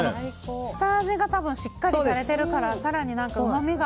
下味がしっかりされているから更にうまみが。